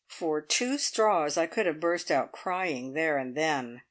For two straws I could have burst out crying there and then.